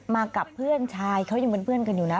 กับเพื่อนชายเขายังเป็นเพื่อนกันอยู่นะ